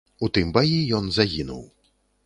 У тым баі ён загінуў.